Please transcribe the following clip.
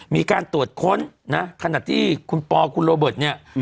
มีการตรวจค้นขนาดที่คุณโปรดาคุณโรเบิร์ต